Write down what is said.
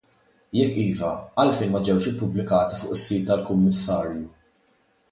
Jekk iva, għalfejn ma ġewx ippubblikati fuq is-sit tal-Kummissarju?